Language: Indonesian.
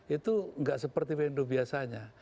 itu nggak seperti wendo biasanya